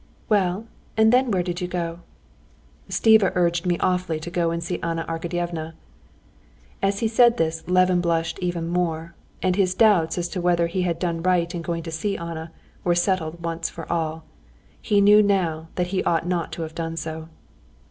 "Well, and then where did you go?" "Stiva urged me awfully to go and see Anna Arkadyevna." And as he said this, Levin blushed even more, and his doubts as to whether he had done right in going to see Anna were settled once for all. He knew now that he ought not to have done so.